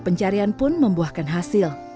pencarian pun membuahkan hasil